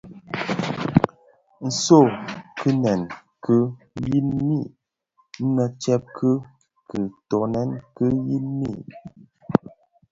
Tsoo kiňèn ki yin mi nnë tsèb ki kitöňèn ki yin mi.